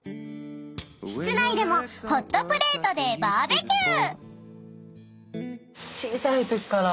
［室内でもホットプレートでバーベキュー］